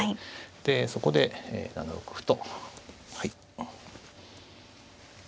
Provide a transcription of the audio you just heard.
でそこで７六歩とはい。